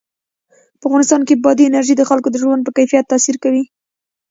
په افغانستان کې بادي انرژي د خلکو د ژوند په کیفیت تاثیر کوي.